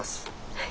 はい。